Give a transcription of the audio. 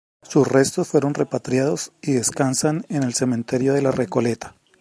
Sus restos fueron repatriados y descansan en el Cementerio de la Recoleta.